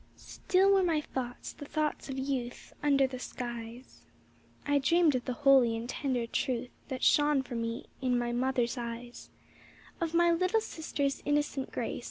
Still were my thoughts the thoughts of youth Under the skies: I dreamed of the holy and tender truth That shone for me in my mother's eyes; Of my little sister's innocent grace.